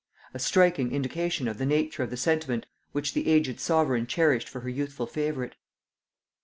A striking indication of the nature of the sentiment which the aged sovereign cherished for her youthful favorite!